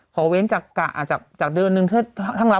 ขอเว้นจากเดือนหนึ่ง